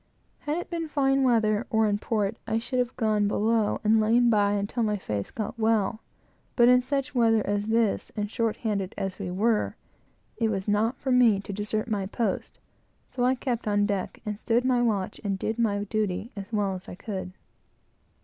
Had it been fine weather, or in port, I should have gone below and lain by until my face got well; but in such weather as this, and short handed as we were, it was not for me to desert my post; so I kept on deck, and stood my watch and did my duty as well as I could.